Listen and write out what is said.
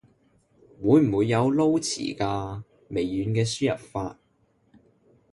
會唔會有撈詞㗎？微軟嘅輸入法